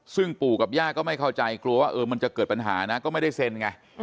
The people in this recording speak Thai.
ซึ่งปู่กับย่าก็ไม่เข้าใจกลัวว่ามันจะเกิดปัญหานะก็ไม่ได้เซ็นไง